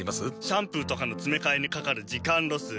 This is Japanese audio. シャンプーとかのつめかえにかかる時間ロス。